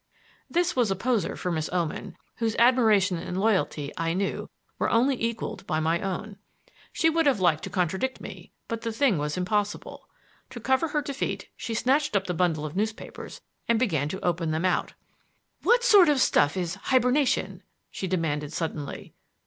This was a poser for Miss Oman, whose admiration and loyalty, I knew, were only equaled by my own. She would have liked to contradict me, but the thing was impossible. To cover her defeat she snatched up the bundle of newspapers and began to open them out. "What sort of stuff is 'hibernation'?" she demanded suddenly.